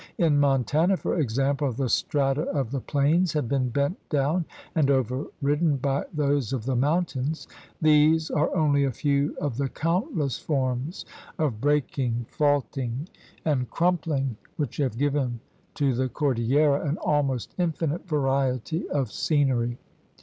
In Montana, for example, the strata of the plains have been bent down and overridden by those of the mountains. These are only a few of the countless forms of breaking, faulting, and crumpling which 80 THE RED MAN'S CONTINENT have given to the cordillera an almost infinite variety of scenery.